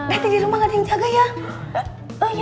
berarti di rumah gak ada yang jaga ya